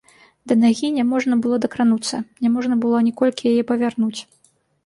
Да нагі няможна было дакрануцца, няможна было ані колькі яе павярнуць.